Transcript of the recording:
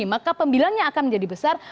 maka pembilangnya akan menjadi besar